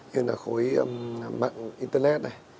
như là khối mạng internet này